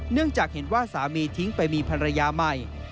เนื่องจากเห็นว่าสามีทิ้งไปมีภรรยาใหม่